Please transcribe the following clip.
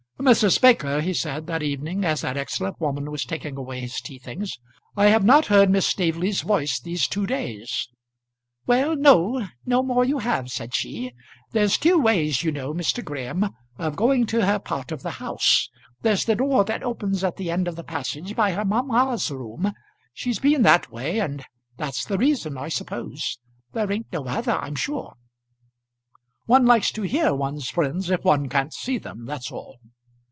"Mrs. Baker," he said that evening, as that excellent woman was taking away his tea things, "I have not heard Miss Staveley's voice these two days." "Well, no; no more you have," said she. "There's two ways, you know, Mr. Graham, of going to her part of the house. There's the door that opens at the end of the passage by her mamma's room. She's been that way, and that's the reason, I suppose. There ain't no other, I'm sure." "One likes to hear one's friends if one can't see them; that's all."